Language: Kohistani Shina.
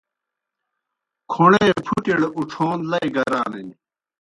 کھوْݨے پُھٹِیْڑ اُڇھون لئی گرانِن۔